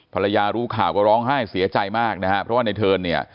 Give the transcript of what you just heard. ภรรยารู้ข่าวก็ร้องไห้เสียใจมากนะฮะเพราะว่าในเทิร์นเนี่ย